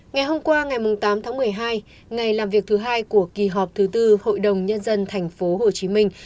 ngày hôm qua ngày tám tháng một mươi hai ngày làm việc thứ hai của kỳ họp thứ tư hội đồng nhân dân thành phố hồ chí minh